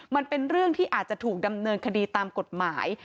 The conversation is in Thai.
มันเป็นเรื่องที่อาจจะถูกดำเนินคดีตามกฎหมาย